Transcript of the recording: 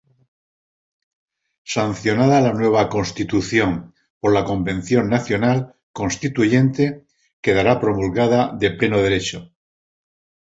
Sancionada la nueva Constitución por la Convención Nacional Constituyente, quedará promulgada de pleno derecho.